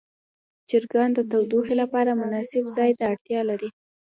چرګان د تودوخې لپاره مناسب ځای ته اړتیا لري.